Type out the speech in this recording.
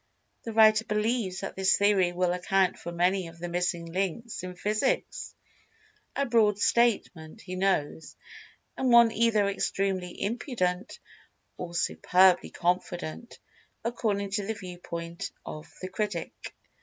The writer believes that this Theory will account for many of the missing links in Physics—a broad statement, he knows, and one either extremely impudent or superbly confident, according to the view point of the critic.